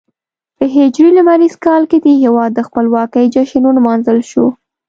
په هجري لمریز کال کې د هېواد د خپلواکۍ جشن ولمانځل شو.